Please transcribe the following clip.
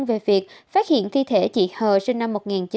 về việc phát hiện thi thể chị hờ sinh năm một nghìn chín trăm hai mươi hai